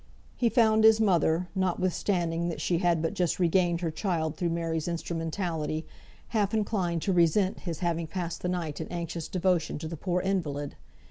He found his mother (notwithstanding that she had but just regained her child through Mary's instrumentality) half inclined to resent his having passed the night in anxious devotion to the poor invalid.